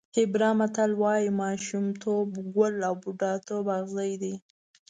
هېبرا متل وایي ماشومتوب ګل او بوډاتوب اغزی دی.